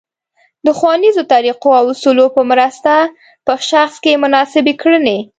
د ښونیزو طریقو او اصولو په مرسته په شخص کې مناسبې کړنې